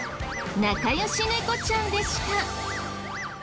仲良し猫ちゃんでした。